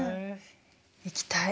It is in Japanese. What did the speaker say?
行きたい。